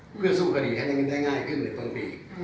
เพื่อสู้คดีให้ได้ง่ายขึ้นในต้นปี